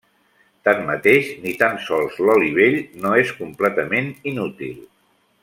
Tanmateix, ni tan sols l'oli vell no és completament inútil.